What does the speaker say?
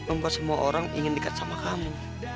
membuat semua orang ingin dekat sama kamu